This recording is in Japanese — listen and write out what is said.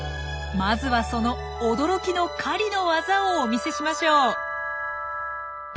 まずはその驚きの狩りの技をお見せしましょう！